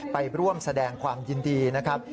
ไปร่วมแสดงความยินดีนะครับ